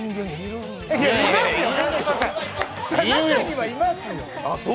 中にはいますよ。